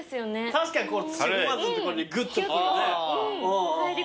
確かに土踏まずのとこにグッとくるね。